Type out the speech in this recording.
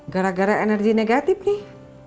gara gara energi negatif nih